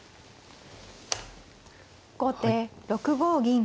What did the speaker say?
後手６五銀。